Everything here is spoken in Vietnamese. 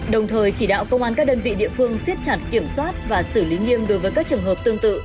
đồng thời chỉ đạo công an các đơn vị địa phương siết chặt kiểm soát và xử lý nghiêm đối với các trường hợp tương tự